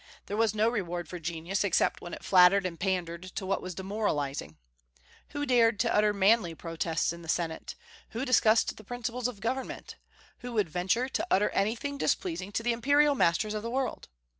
There was no reward for genius except when it flattered and pandered to what was demoralizing. Who dared to utter manly protests in the Senate? Who discussed the principles of government? Who would venture to utter anything displeasing to the imperial masters of the world?